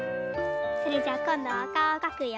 それじゃあこんどはおかおをかくよ。